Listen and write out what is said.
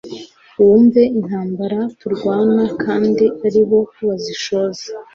Mwumve intambara turwana kandi aribo bazishoza